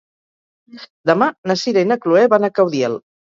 Demà na Sira i na Chloé van a Caudiel.